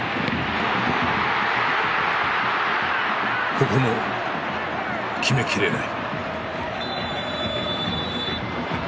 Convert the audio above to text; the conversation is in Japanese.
ここも決めきれない。